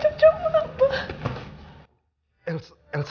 iya tyr desert ya